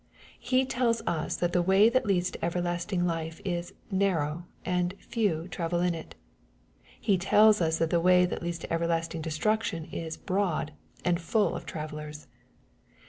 He tells us that the way that leads to everlasting life is " narrow,'* and " fe V travel in it. He tells us that the way that leads to everlasting destruction is " broad," and full of travellers.